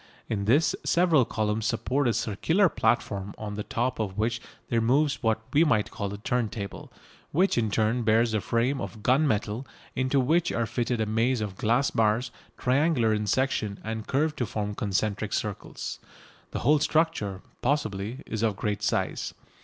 In this several columns support a circular platform on the top of which there moves what we might call a turntable, which in turn bears a frame of gun metal into which are fitted a maze of glass bars triangular in section and curved to form concentric circles. The whole structure, possibly, is of great size.